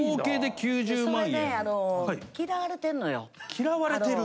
嫌われてる？